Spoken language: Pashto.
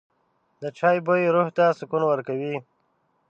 د چای بوی روح ته سکون ورکوي.